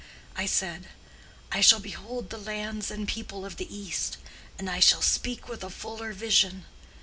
I said, I shall behold the lands and people of the East, and I shall speak with a fuller vision.